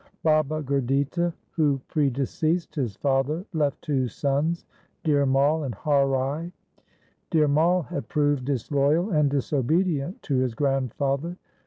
Baba Gurditta, who predeceased his father, left two sons, Dhir Mai and Har Rai. DhirMal had proved disloyal and disobedient to his grandfather.